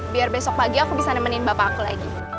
biar besok pagi aku bisa nemenin bapak aku lagi